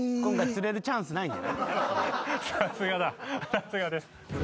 さすがです。